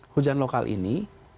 hujan lokal ini